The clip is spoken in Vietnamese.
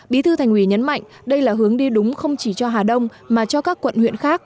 bí thư thành ủy nhấn mạnh đây là hướng đi đúng không chỉ cho hà đông mà cho các quận huyện khác